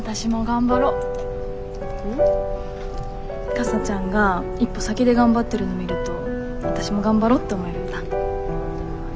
かさちゃんが一歩先で頑張ってるの見るとわたしも頑張ろうって思えるんだ。